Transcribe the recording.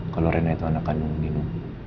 kalau rena itu anak kamu nino